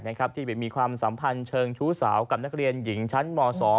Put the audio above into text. ที่ไปมีความสัมพันธ์เชิงชู้สาวกับนักเรียนหญิงชั้นม๒